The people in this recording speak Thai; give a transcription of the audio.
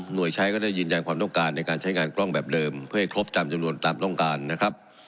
โดยใช้ก็ได้ยืนยันความต้องการในการใช้งานกล้องแบบเดิมเพื่อให้ครบตามจำนวนตามต้องการนะครับ